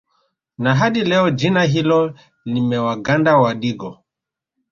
Na hadi leo jina hilo limewaganda Wadigo